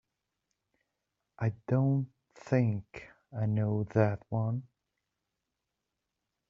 I don't think I know that one.